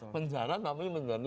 penjara tapi menjadi